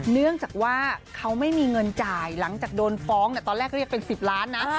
เนื่องจากว่าเขาไม่มีเงินจ่ายหลังจากโดนฟ้องตอนแรกก็เรียกเป็น๑๐ล้านนะ